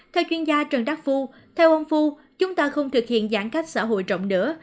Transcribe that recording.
theo chuyên gia trần đắc phu theo ông phu chúng ta không thực hiện giãn cách xã hội rộng nữa